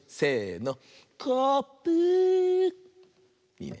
いいね。